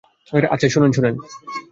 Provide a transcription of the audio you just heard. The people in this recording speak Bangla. আচ্ছা শোনেন, শোনেন।